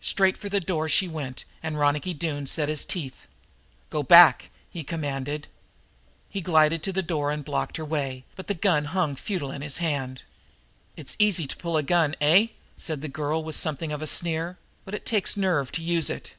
Straight for the door she went, and Ronicky Doone set his teeth. "Go back!" he commanded. He glided to the door and blocked her way, but the gun hung futile in his hand. "It's easy to pull a gun, eh?" said the girl, with something of a sneer. "But it takes nerve to use it.